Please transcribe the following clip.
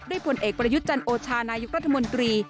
ด้วยผลเอกปรยุจจันโอชานายุครัฐมนตรี